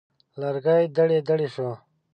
لرګی دړې دړې شو.